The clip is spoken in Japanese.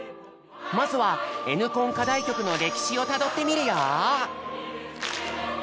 まずは「Ｎコン」課題曲の歴史をたどってみるよ！